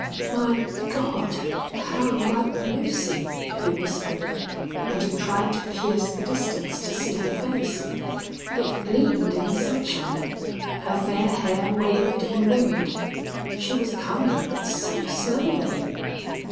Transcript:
"My God! how like Lucy!" he whispered, and he tried to pierce the distance to see her face. It gleamed in the sunshine. Her fair hair waved in the wind. She was coming, but so slowly!